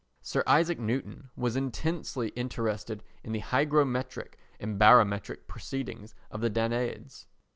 Sir Isaac Newton was intensely interested in the hygrometric and barometric proceedings of the Danaids.